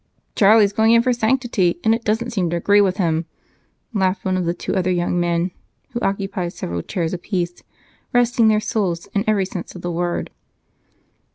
"Charlie's going in for sanctity, and it doesn't seem to agree with him," laughed one of the two other young men who occupied several chairs apiece, resting their soles in every sense of the word.